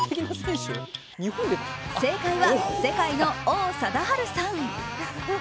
正解は世界の王貞治さん。